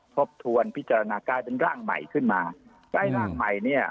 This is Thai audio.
ทบทวนพิจารณากลายเป็นร่างใหม่ขึ้นมาได้ร่างใหม่เนี่ย